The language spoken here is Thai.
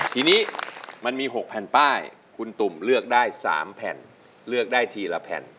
ทีนี้มันมี๖แผ่นป้ายคุณตุ่มเลือกได้๓แผ่นเลือกได้ทีละแผ่น